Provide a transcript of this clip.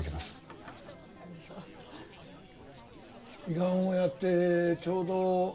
胃がんをやってちょうど１年。